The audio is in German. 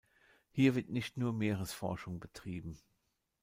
Hier wird nicht nur Meeresforschung betrieben.